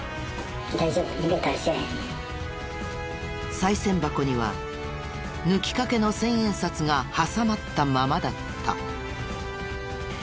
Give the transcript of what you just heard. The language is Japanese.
さい銭箱には抜きかけの１０００円札が挟まったままだった。